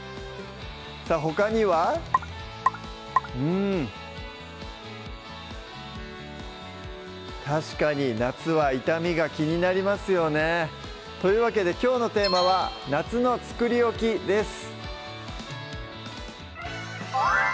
さぁほかにはうん確かに夏は傷みが気になりますよねというわけできょうのテーマは「夏の作り置き」です